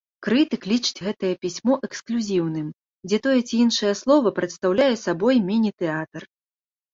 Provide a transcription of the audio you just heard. Крытык лічыць гэтае пісьмо эксклюзіўным, дзе тое ці іншае слова прадстаўляе сабой міні-тэатр.